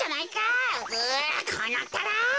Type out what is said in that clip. うこうなったら。